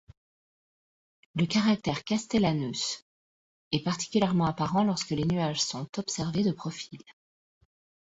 Le caractère castellanus est particulièrement apparent lorsque les nuages sont observés de profil.